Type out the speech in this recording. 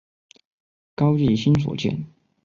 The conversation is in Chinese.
高季兴所建。